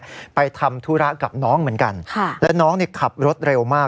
เกิดเหตุเนี่ยไปทำธุระกับน้องเหมือนกันค่ะแล้วน้องนี่ขับรถเร็วมาก